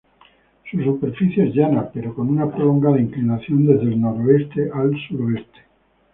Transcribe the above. Su superficie es llana pero con una prolongada inclinación desde el noroeste al suroeste.